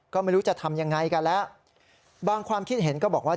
ก็ไม่รู้จะทำยังไงกันแล้วบางความคิดเห็นก็บอกว่า